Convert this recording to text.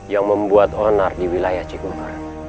yang membuat onar di wilayah cikgu gu